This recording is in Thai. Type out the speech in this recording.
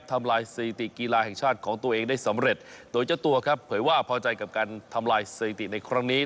ทำลายสถิติกีฬาแห่งชาติของตัวเองได้สำเร็จโดยเจ้าตัวครับเผยว่าพอใจกับการทำลายสถิติในครั้งนี้